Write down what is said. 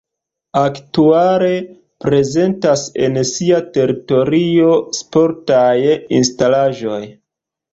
Aktuale prezentas en sia teritorio sportaj instalaĵoj.